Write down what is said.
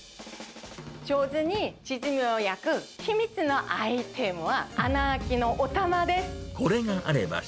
上手にチヂミを焼く秘密のアイテムは、穴開きのおたまです。